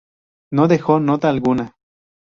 No dejó nota alguna.